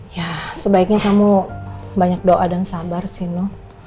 ya sebaiknya kamu banyak doa dan sabar sih no